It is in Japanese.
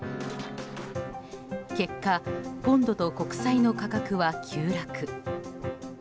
結果ポンドと国債の価格は急落。